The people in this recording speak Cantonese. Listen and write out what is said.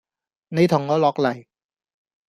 你同我落黎!